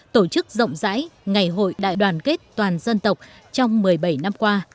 tổ chức rộng rãi ngày hội đại đoàn kết toàn dân tộc trong một mươi bảy năm qua